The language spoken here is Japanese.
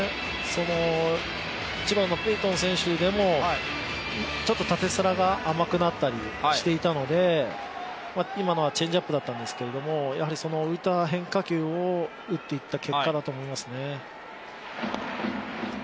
１番のペイトン選手にもちょっと縦スラが甘くなってしまっていたので今のはチェンジアップだったんですけども、やはり浮いた変化球を打っていった結果だと思いますね。